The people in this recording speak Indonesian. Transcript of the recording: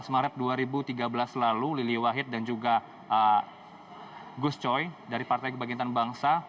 dua belas maret dua ribu tiga belas lalu lili wahid dan juga gus coy dari partai kebangkitan bangsa